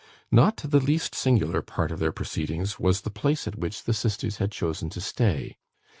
Not the least singular part of their proceedings was the place at which the sisters had chosen to stay.